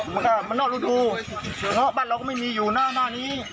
มันก็มันนอกรูดูเพราะบ้านเราก็ไม่มีอยู่หน้านี้